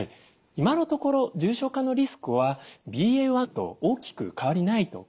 今のところ重症化のリスクはＢＡ．１と大きく変わりないと考えられています。